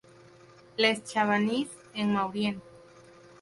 Les Chavannes-en-Maurienne